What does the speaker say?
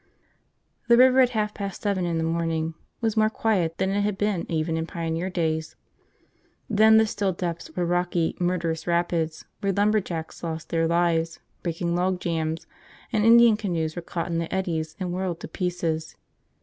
The river, at half past seven in the morning, was more quiet than it had been even in pioneer days. Then the still depths were rocky, murderous rapids where lumberjacks lost their lives breaking log jams and Indian canoes were caught in the eddies and whirled to pieces.